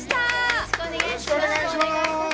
よろしくお願いします。